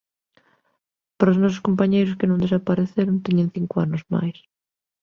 Pero os nosos compañeiros que non desapareceron, teñen cinco anos máis.